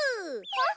あっ！